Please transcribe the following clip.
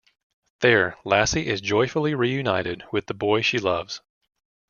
There, Lassie is joyfully reunited with the boy she loves.